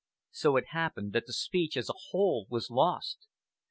So it happened that the speech as a whole was lost.